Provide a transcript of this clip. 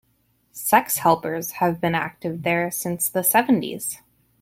'Sex Helpers' have been active there since the seventies.